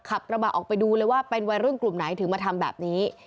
ขับกระบะออกไปดูเลยว่าเป็นวัยรุ่นกลุ่มไหนถึงมาทำแบบนี้